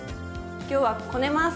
今日はこねます！